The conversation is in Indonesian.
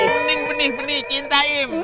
benih benih benih cinta im